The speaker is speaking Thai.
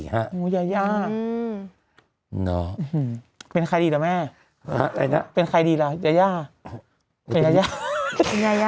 เฮ้อเป็นใครดีหรอแม่เป็นใครดีเหรอยาใช่ยะ